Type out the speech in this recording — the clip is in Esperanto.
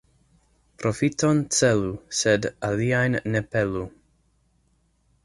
Profiton celu, sed aliajn ne pelu.